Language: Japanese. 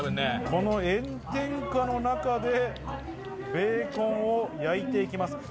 この炎天下の中でベーコンを焼いていきます。